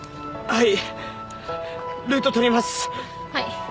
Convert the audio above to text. はい。